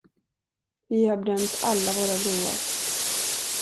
Vi har bränt alla våra broar.